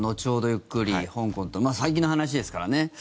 ゆっくり香港と最近の話ですからね。